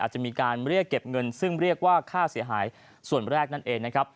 จะมีการเรียกเก็บเงินซึ่งเรียกว่าค่าเสียหายส่วนแรกนั่นเองนะครับ